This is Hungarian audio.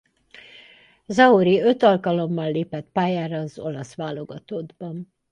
Zauri öt alkalommal lépett pályára az olasz válogatottban.